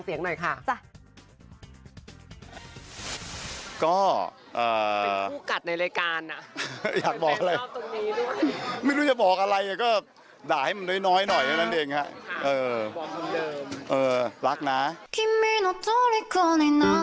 สี้เรียกนิดด้านใจทำให้ข้ารี่ครั้งต้องก่อนน่ะ